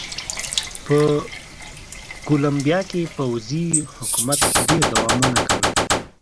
په کولمبیا کې پوځي حکومت ډېر دوام ونه کړ.